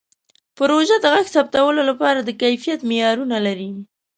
پروژه د غږ ثبتولو لپاره د کیفیت معیارونه لري.